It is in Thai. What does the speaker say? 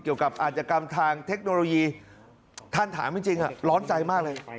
อาจกรรมทางเทคโนโลยีท่านถามจริงร้อนใจมากเลย